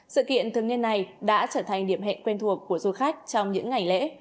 sự kiện thường niên này đã trở thành điểm hẹn quen thuộc của du khách trong những ngày lễ